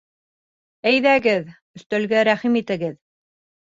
Әйҙәгеҙ, өҫтәлгә рәхим итегеҙ!